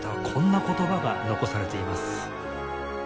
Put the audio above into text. こんな言葉が残されています